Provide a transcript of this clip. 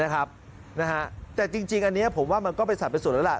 แต่จริงอันนี้ผมว่ามันก็เป็นสัตว์ส่วนแล้วล่ะ